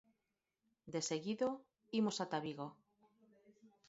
Deseguido, imos ata Vigo.